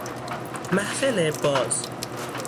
محفل باز